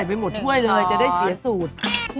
ไปหมดถ้วยเลยจะได้เสียสูตร